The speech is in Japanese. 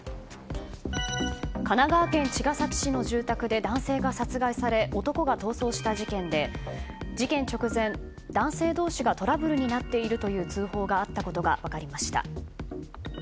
神奈川県茅ヶ崎市の住宅で男性が殺害され男が逃走した事件で事件直前、男性同士がトラブルになっているという通報があったことが分かりました。